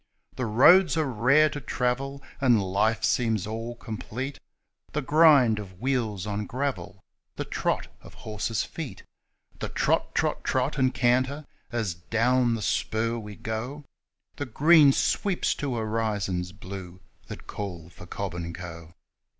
The roads are rare to travel, and life seems all com plete ; The grind of wheels on gravel, the trot of horses' feet, The trot, trot, trot and canter, as down the spur we go The green sweeps to horizons blue that call for Cobb and Co. THE LIGHTS OF COBB AND CO.